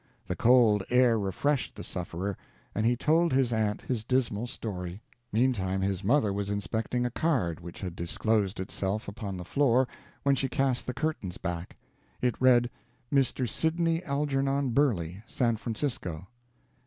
The cold air refreshed the sufferer, and he told his aunt his dismal story. Meantime his mother was inspecting a card which had disclosed itself upon the floor when she cast the curtains back. It read, "Mr. Sidney Algernon Burley, San Francisco."